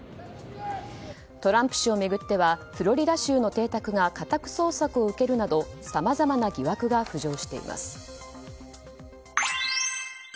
トランプ氏を巡ってはフロリダ州の邸宅が家宅捜索を受けるなどさまざまな疑惑が浮上しています。